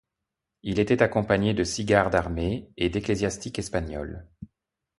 Il était accompagné de six gardes armés et d'ecclésiastiques espagnols.